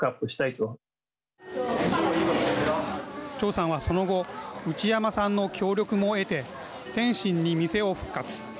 趙さんはその後内山さんの協力も得て天津に店を復活。